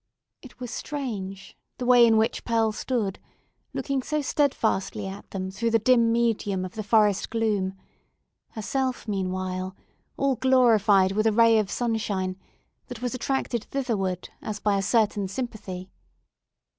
It was strange, the way in which Pearl stood, looking so steadfastly at them through the dim medium of the forest gloom, herself, meanwhile, all glorified with a ray of sunshine, that was attracted thitherward as by a certain sympathy.